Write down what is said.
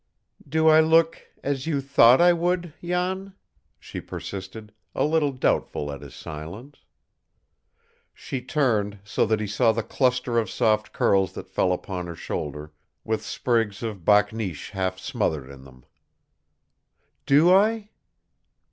"Do I look as you thought I would, Jan?" she persisted, a little doubtful at his silence. She turned, so that he saw the cluster of soft curls that fell upon her shoulder, with sprigs of bakneesh half smothered in them. "Do I?"